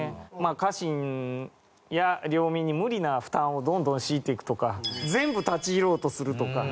家臣や領民に無理な負担をどんどん強いていくとか全部立ち入ろうとするとか。